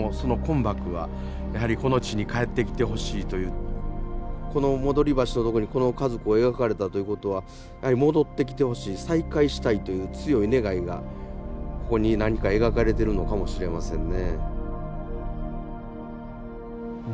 でももしこの戻橋のとこにこの家族を描かれたということは戻ってきてほしい再会したいという強い願いがここに何か描かれてるのかもしれませんね。